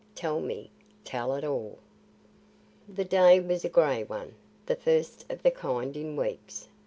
TELL ME, TELL IT ALL The day was a grey one, the first of the kind in weeks.